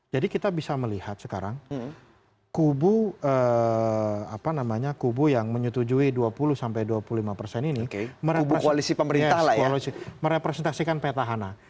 jadi kita bisa melihat sekarang kubu yang menyetujui dua puluh dua puluh lima persen ini merepresentasikan petahana